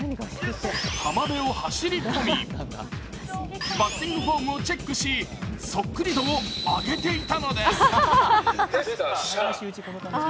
浜辺を走り込み、バッティングフォームをチェックし、そっくり度を上げていたのです。